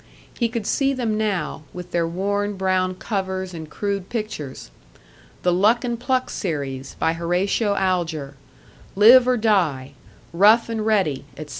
He could see them now, with their worn brown covers and crude pictures: "The Luck and Pluck Series," by Horatio Alger; "Live or Die," "Rough and Ready," etc.